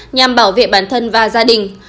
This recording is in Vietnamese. nhằm bảo vệ bản thân và gia đình